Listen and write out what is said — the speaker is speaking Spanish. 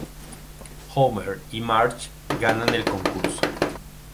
Homer y Marge ganan el concurso.